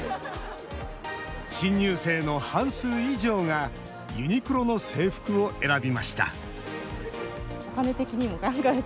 新入生の半数以上がユニクロの制服を選びました